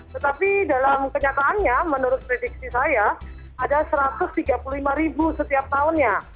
tetapi dalam kenyataannya menurut prediksi saya ada satu ratus tiga puluh lima ribu setiap tahunnya